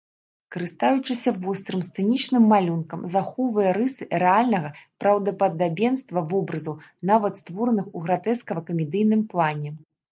Карыстаючыся вострым сцэнічным малюнкам, захоўвае рысы рэальнага праўдападабенства вобразаў, нават створаных у гратэскава-камедыйным плане.